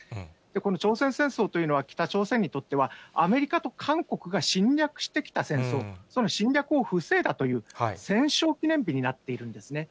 この朝鮮戦争というのは、北朝鮮にとってはアメリカと韓国が侵略してきた戦争、その侵略を防いだという戦勝記念日になっているんですね。